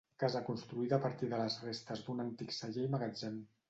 Casa construïda a partir de les restes d'un antic celler i magatzem.